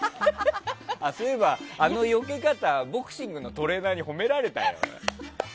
そういえば、あのよけ方ボクシングのトレーナーに褒められたよ。